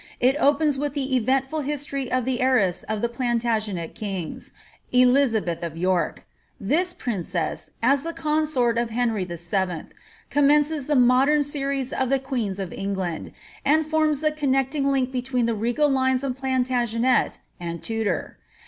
It opens with the e? entful history of the heiress of the Plantagenet kings, Elizabeth of York. This princess, as the consort of Henry YII., commences the modem series of the queens of England, and forms the connecting tink between the regal lines of Plantagenet and Tudor.